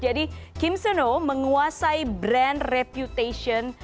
jadi kim soon ho menguasai brand reputation